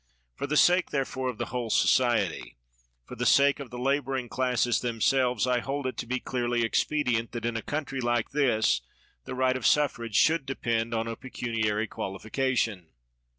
For the sake, therefore, of the whole society — for the sake of the laboring classes them selves — I hold it to be clearly expedient that, in a country like this, the right of s ffrage should depend on a pecuniary quaiiiication.